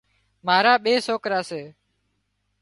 مارا ٻي سوڪرا سي۔